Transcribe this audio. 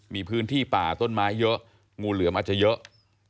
มีพื้นที่ป่าต้นไม้เยอะงูเหลือมอาจจะเยอะ